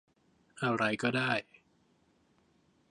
อะไรก็ได้